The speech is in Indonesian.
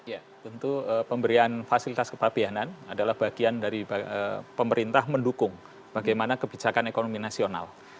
ya tentu pemberian fasilitas kepabianan adalah bagian dari pemerintah mendukung bagaimana kebijakan ekonomi nasional